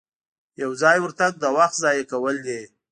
یو ځایي ورتګ د وخت ضایع کول دي.